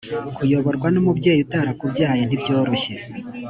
kuyoborwa n umubyeyi utarakubyaye ntibyoroshye